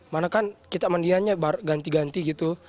mana kan kita mandiannya ganti ganti gitu